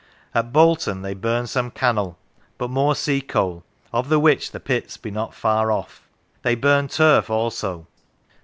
" At Bolton they burn some cannel, but more sea coal, of the which the pits be not far off. They burn turf also."